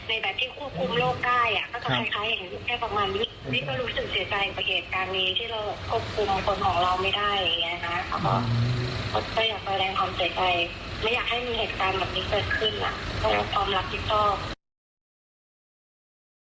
ที่เราควบคุมคนของเราไม่ได้รู้ไหมนะ